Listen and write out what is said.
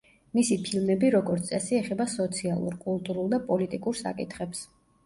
მისი ფილმები როგორც წესი ეხება სოციალურ, კულტურულ და პოლიტიკურ საკითხებს.